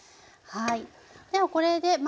はい。